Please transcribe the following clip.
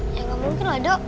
ya gak mungkin lah dok